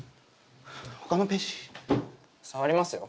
他のページ？触りますよ。